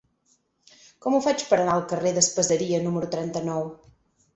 Com ho faig per anar al carrer d'Espaseria número trenta-nou?